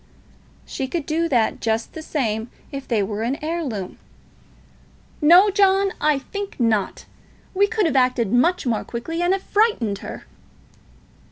"She could do that just the same if they were an heirloom." "No, John. I think not. We could have acted much more quickly, and have frightened her."